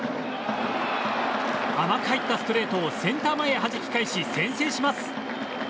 甘く入ったストレートをセンター前へはじき返し先制します。